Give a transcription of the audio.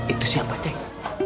itu siapa ceng